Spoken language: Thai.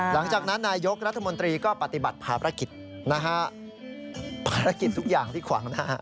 หลังจากนั้นนายยกรัฐมนตรีก็ปฏิบัติผ่าประกิจนะฮะปฏิบัติทุกอย่างที่ขวางนะฮะ